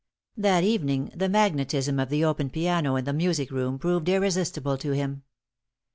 That evening the magnetism of the open piano in the music room proved irresistible to him.